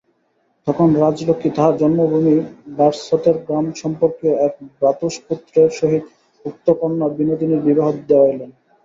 তখন রাজলক্ষ্মী তাঁহার জন্মভূমি বারাসতের গ্রামসম্পর্কীয় এক ভ্রাতুষ্পুত্রের সহিত উক্ত কন্যা বিনোদিনীর বিবাহ দেওয়াইলেন।